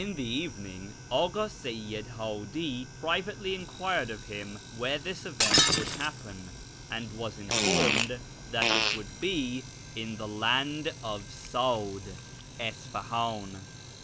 lu the evening Ak;i Seyyid Hikli privately enquired of him where this event would hai)pen, and was informed tliat it would be in the 'Land of S;'id ' (Isfali; in).